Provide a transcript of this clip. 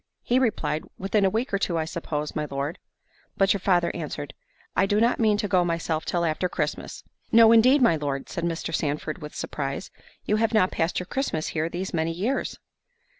—he replied, "Within a week or two, I suppose, my Lord." But your father answered, "I do not mean to go myself till after Christmas." "No indeed, my Lord!" said Mr. Sandford, with surprise: "you have not passed your Christmas here these many years."